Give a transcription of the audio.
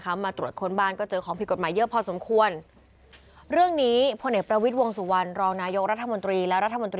มาตรวจคนบ้านก็เจอของผิดกฎหมายเยอะพอสมควร